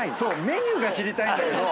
メニューが知りたいんだけど。